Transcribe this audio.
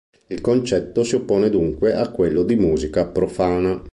Il concetto si oppone dunque a quello di musica profana.